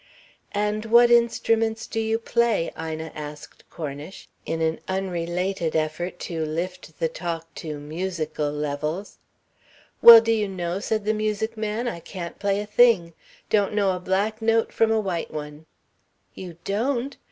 "And what instruments do you play?" Ina asked Cornish, in an unrelated effort to lift the talk to musical levels. "Well, do you know," said the music man, "I can't play a thing. Don't know a black note from a white one." "You don't?